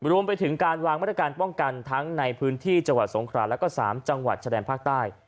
รวมไปถึงการวางมาตรการป้องกันทั้งในพื้นที่จังหวัดสงคราแล้วก็๓จังหวัดชะแดนภาคใต้